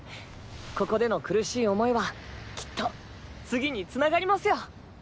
ここでの苦しい思いはきっと次に繋がりますよ。